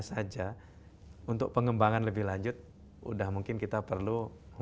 nggak membuka diri nah kita berusaha